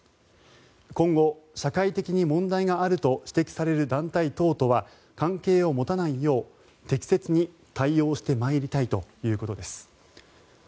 今後、社会的に問題があると指摘される団体等とは関係を持たないよう適切に対応してまいりたいということです。